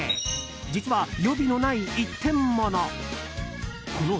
実は、予備のない一点もの。